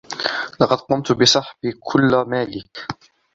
لقد قمتَ بسحب كلّ مالك.